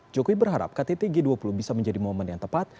jokowi berharap kttg dua puluh bisa menjadi momen yang tepat